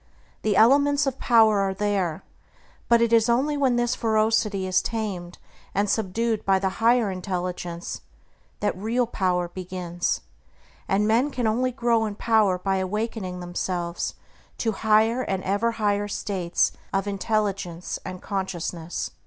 The elements of power are there; but it is only when this ferocity is tamed and subdued by the higher intelligence that real power begins; and men can only grow in power by awakening themselves to higher and ever higher states of intelligence and consciousness.